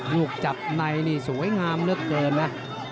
ลูกจับในนี่สวยงามเหลือเกินนะ